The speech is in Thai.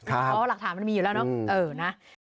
เพราะว่าหลักฐานมันมีอยู่แล้วเนอะ